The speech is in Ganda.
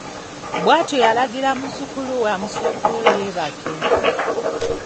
Bwatyo yalagira muzzukulu we amusookeyo yeebake.